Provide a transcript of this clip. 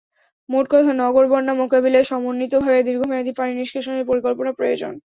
মোট কথা, নগর বন্যা মোকাবিলায় সমন্বিতভাবে দীর্ঘমেয়াদি পানি নিষ্কাশনের পরিকল্পনা প্রয়োজন।